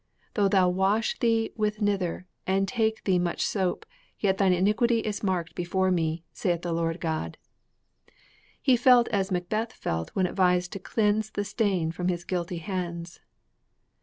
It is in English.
'Though thou wash thee with niter, and take thee much soap, yet thine iniquity is marked before Me, saith the Lord God.' He felt as Macbeth felt when advised to cleanse the stain from his guilty hands.